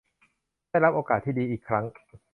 ได้รับโอกาสที่ดีอีกครั้ง